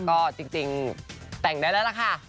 ก็จริงแต่งได้แล้วล่ะค่ะ